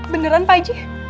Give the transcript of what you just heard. beneran pak ji